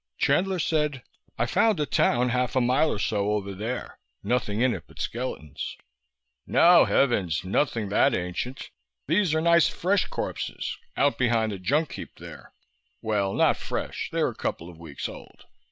Chandler said, "I found a town half a mile or so over there, nothing in it but skeletons." "No, heavens, nothing that ancient. These are nice fresh corpses, out behind the junkheap there. Well, not fresh. They're a couple of weeks old.